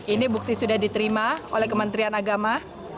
ini bukti sudah diterima oleh kementerian agama